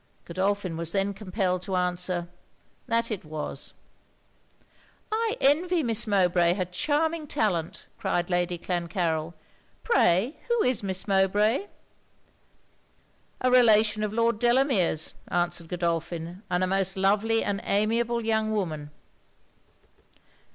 Godolphin was then compelled to answer 'that it was.' 'I envy Miss Mowbray her charming talent,' cried Lady Clancarryl. 'Pray who is Miss Mowbray?' 'A relation of Lord Delamere's,' answered Godolphin; 'and a most lovely and amiable young woman.'